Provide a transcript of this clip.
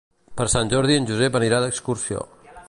Per Sant Jordi en Josep anirà d'excursió.